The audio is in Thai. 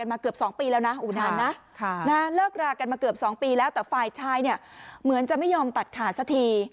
มาเกือบสองปีแล้วแต่ฝ่ายชายเนี่ยเหมือนจะไม่ยอมตัดขาดสักที